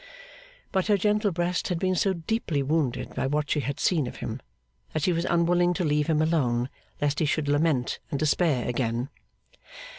But her gentle breast had been so deeply wounded by what she had seen of him that she was unwilling to leave him alone, lest he should lament and despair again.